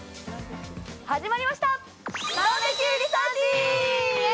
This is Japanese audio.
始まりました。